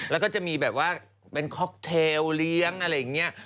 แล้วก็จะมีแบบว่าเป็นค็อกเทลเลี้ยงอะไรอย่างนี้